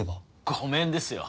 ごめんですよ